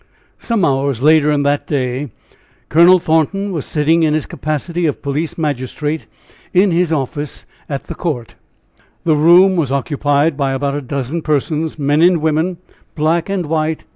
Some hours later in that day Colonel Thornton was sitting, in his capacity of police magistrate, in his office at C . The room was occupied by about a dozen persons, men and women, black and white.